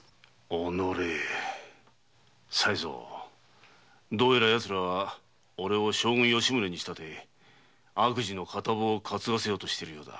おのれどうやらやつらはおれを将軍・吉宗に仕立てて悪事の片棒を担がせようとしているようだ。